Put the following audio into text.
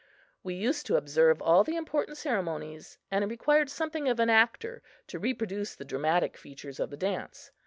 We used to observe all the important ceremonies and it required something of an actor to reproduce the dramatic features of the dance.